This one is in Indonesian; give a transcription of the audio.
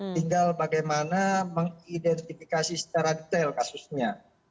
tinggal bagaimana mengidentifikasi secara detail kasusnya